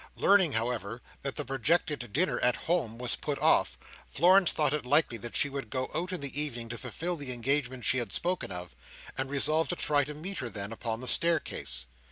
Learning, however, that the projected dinner at home was put off, Florence thought it likely that she would go out in the evening to fulfil the engagement she had spoken of; and resolved to try and meet her, then, upon the staircase.